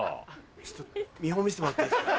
ちょっと見本見してもらっていいですか？